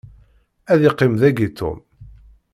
Ad iqqim dagi Tom.